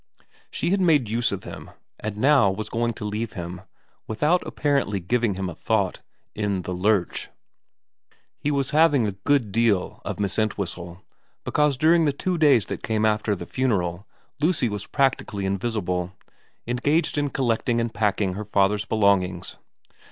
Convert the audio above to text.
She had made use of him, and now was going to leave him, without apparently giving him a thought, in the lurch. He was having a good deal of Miss Entwhistle, 50 VERA v because during the two days that came after the funeral Lucy was practically invisible, engaged in collecting and packing her father's belongings.